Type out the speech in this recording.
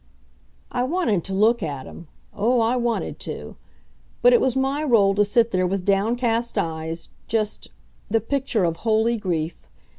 I wanted to look at him, oh, I wanted to! But it was my role to sit there with downcast eyes, just the picture of holy grief.